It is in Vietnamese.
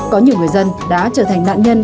có nhiều người dân đã trở thành nạn nhân